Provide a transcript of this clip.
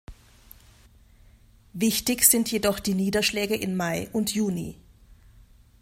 Wichtig sind jedoch die Niederschläge in Mai und Juni.